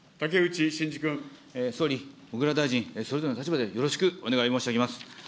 総理、小倉大臣、それぞれの立場でよろしくお願い申し上げます。